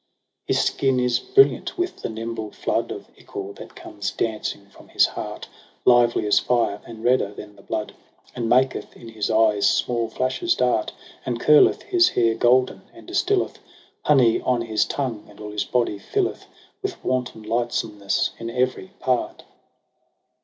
16 His skin is brilliant with the nimble flood Of ichor, that comes dancing from his heart. Lively as fire, and redder than the blood. And maketh in his eyes small flashes dart. And curleth his hair golden, and distilleth Honey on his tongue, and all his body fiUeth With wanton lightsomeness in every part.